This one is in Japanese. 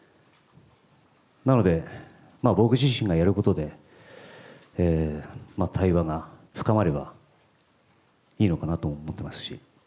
なので、僕自身がやることで、対話が深まればいいのかなと思っていますし。